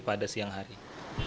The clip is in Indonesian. pada wilayah selatan indonesia